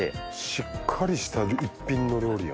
しっかりした一品の料理や。